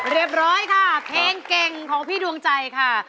เรียบร้อยค่ะเพลงเก่งของพี่ดวงใจค่ะ